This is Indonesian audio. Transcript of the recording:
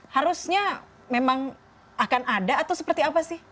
harusnya memang akan ada atau seperti apa sih